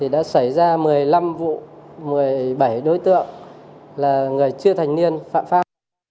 đã xảy ra một mươi năm vụ một mươi bảy đối tượng là người chưa thành niên phạm pháp